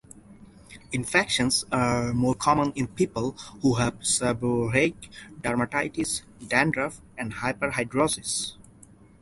Infections are more common in people who have seborrheic dermatitis, dandruff, and hyperhidrosis.